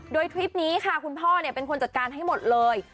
โดยทริปนี้ค่ะคุณพ่อเป็นคนจัดการให้หมดเลย